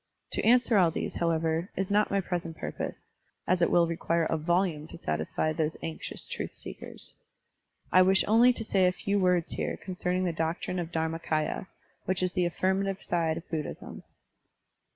To answer all these, however, is not my present purpose, as it will require a voltmie to satisfy those anxious truth seekers. I wish only to say a few words here concerning the doctrine of DharmaMya, which is the affirmative side of Buddhism.